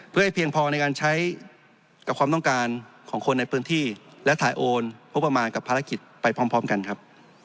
เพื่อให้เพียงพอในการใช้กับความต้องการของคนในพื้นที่และถ่ายโอนงบประมาณกับภารกิจไปพร้อมกันครับ